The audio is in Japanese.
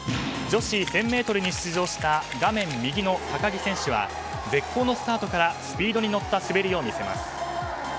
女子１０００ｍに出場した画面右の高木選手は絶好のスタートからスピードに乗った滑りを見せます。